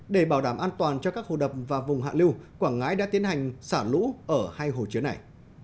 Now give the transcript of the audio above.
để bảo đảm an toàn cho các hồ đập và vùng hạ lưu quảng ngãi đã tiến hành xả lũ ở hai hồ chứa này